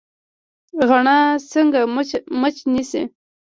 غڼه څنګه مچ نیسي؟